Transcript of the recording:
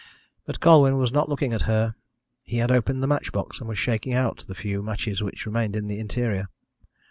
But Colwyn was not looking at her. He had opened the match box, and was shaking out the few matches which remained in the interior.